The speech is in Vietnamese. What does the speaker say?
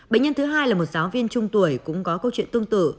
bệnh nhân thứ hai là một giáo viên trung tuổi cũng có câu chuyện tương tự